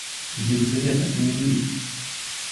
Елизавета, не дури.